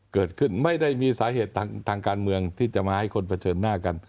เกิดขึ้นไม่ได้มีสาเหตุทางการเมืองที่จะมาให้คนเผชิญหน้ากัน